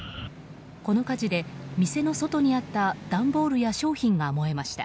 この火事で店の外にあった段ボールや商品が燃えました。